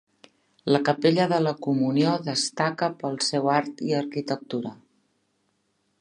La capella de la Comunió destaca pel seu art i arquitectura.